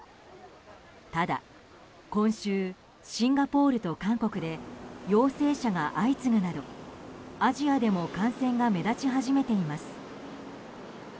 ただ、今週シンガポールと韓国で陽性者が相次ぐなどアジアでも感染が目立ち始めています。